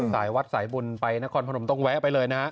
สายวัดสายบุญไปนครพนมต้องแวะไปเลยนะ